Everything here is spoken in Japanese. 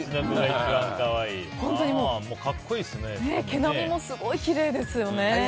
格好いいですね。